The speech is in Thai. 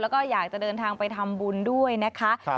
แล้วก็อยากจะเดินทางไปทำบุญด้วยนะคะ